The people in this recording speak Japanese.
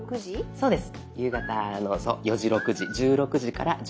そうです。